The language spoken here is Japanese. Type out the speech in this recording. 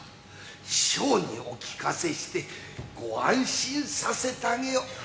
師匠にお聞かせしてご安心させてあげよ。